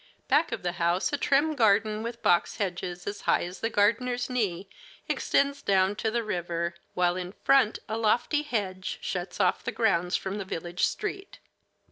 Back of the house a trim garden with box hedges as high as the gardener's knee extends down to the river, while in front a lofty hedge shuts off the grounds from the village street.